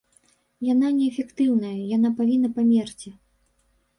Яна неэфектыўная, яна павінна памерці.